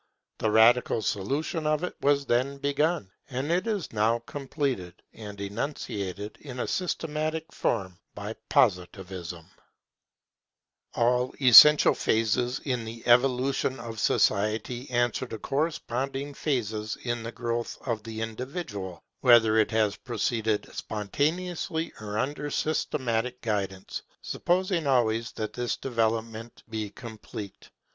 The radical solution of it was then begun, and it is now completed, and enunciated in a systematic form by Positivism. [Humanity is the centre to which every aspect of Positivism converges] All essential phases in the evolution of society answer to corresponding phases in the growth of the individual, whether it has proceeded spontaneously or under systematic guidance, supposing always that his development be complete.